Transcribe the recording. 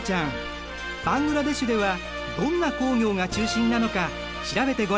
バングラデシュではどんな工業が中心なのか調べてごらん。